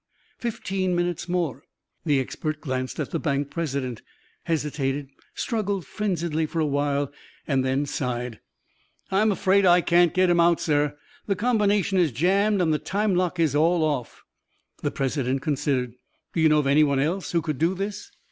Fifteen minutes more. The expert glanced at the bank's president, hesitated, struggled frenziedly for a while, and then sighed. "I'm afraid I can't get him out, sir. The combination is jammed and the time lock is all off." The president considered. "Do you know of anyone else who could do this?"